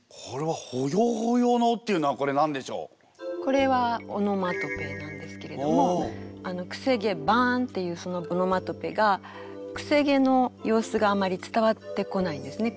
これはこれはオノマトペなんですけれども「くせ毛バーン」っていうそのオノマトペがくせ毛の様子があまり伝わってこないんですね。